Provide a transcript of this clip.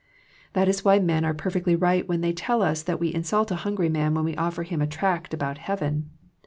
That is why men are perfectly right when they tell us that we insult a hungry man when we offer him a tract about heaven.